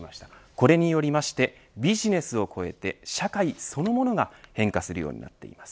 これによりましてビジネスを超えて社会そのものが変化するようになっています。